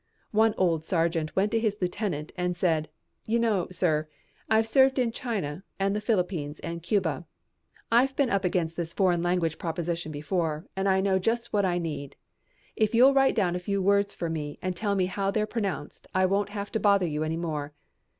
One old sergeant went to his lieutenant and said: "You know, sir, I've served in China and the Philippines and Cuba. I've been up against this foreign language proposition before and I know just what I need. If you'll write down a few words for me and tell me how they're pronounced I won't have to bother you any more.